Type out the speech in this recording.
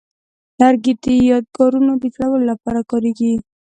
لرګی د یادګارونو د جوړولو لپاره کاریږي.